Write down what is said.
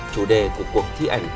chủ đề của cuộc thi ảnh